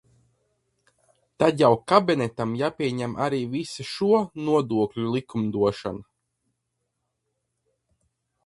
Tad jau Kabinetam jāpieņem arī visa šo nodokļu likumdošana.